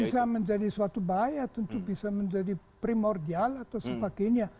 bisa menjadi suatu bahaya tentu bisa menjadi primordial atau sebagainya